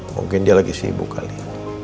mungkin dia lagi sibuk kali